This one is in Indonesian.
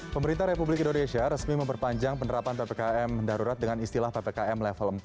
pemerintah republik indonesia resmi memperpanjang penerapan ppkm darurat dengan istilah ppkm level empat